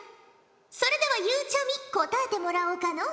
それではゆうちゃみ答えてもらおうかのう。